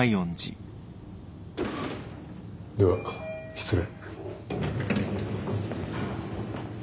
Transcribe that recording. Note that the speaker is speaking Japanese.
では失礼。